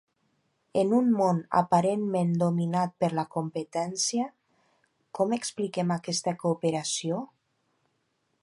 En un món aparentment dominat per la competència, com expliquem aquesta cooperació?